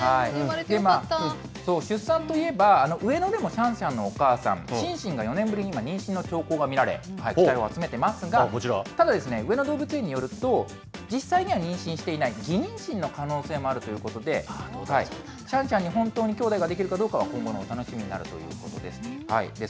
出産といえば、上野でもシャンシャンのお母さん、シンシンが４年ぶりに今、妊娠の兆候が見られ、期待を集めてますが、ただ、上野動物園によると、実際には妊娠していない、偽妊娠の可能性もあるということで、シャンシャンに本当にきょうだいができるかどうかは今後のお楽しみになるということです。